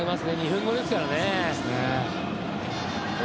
２分後ですからね。